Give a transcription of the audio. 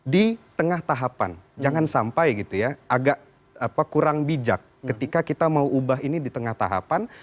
di tengah tahapan jangan sampai gitu ya agak kurang bijak ketika kita mau ubah ini di tengah tahapan